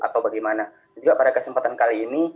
atau bagaimana juga pada kesempatan kali ini